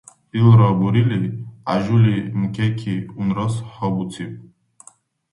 Илра бурили, Ажубли мукеки унрас гьабуциб.